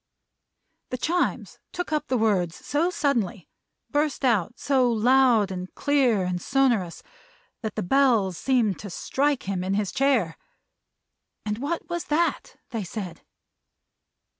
The Chimes took up the words so suddenly burst out so loud, and clear, and sonorous that the Bells seemed to strike him in his chair. And what was that, they said?